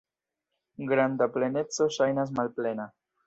Granda pleneco ŝajnas malplena.